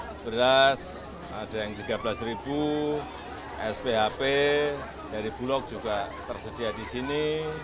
ada beras ada yang rp tiga belas sphp dari bulog juga tersedia di sini